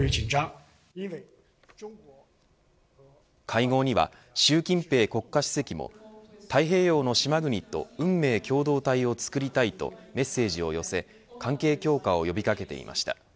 会合には習近平国家主席も太平洋の島国と運命共同体をつくりたいとメッセージを寄せ関係強化を呼び掛けていました。